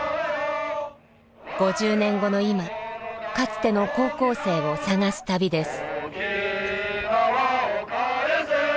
５０年後の今かつての高校生を捜す旅です。